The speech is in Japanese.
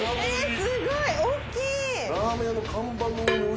すごいおっきい